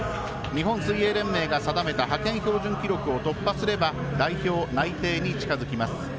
日本水泳連盟が定めた派遣標準記録を突破すれば代表内定に近づきます。